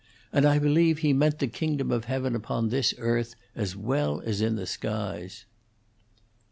"And I believe He meant the kingdom of heaven upon this earth, as well as in the skies."